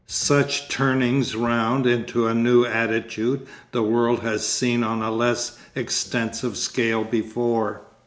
Such turnings round into a new attitude the world has seen on a less extensive scale before.